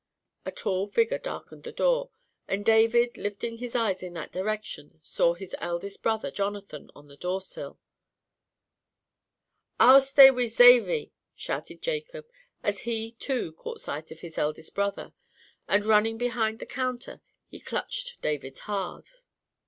A tall figure darkened the door, and David, lifting his eyes in that direction, saw his eldest brother, Jonathan, on the door sill. "I'll stay wi' Zavy," shouted Jacob, as he, too, caught sight of his eldest brother; and, running behind the counter, he clutched David hard.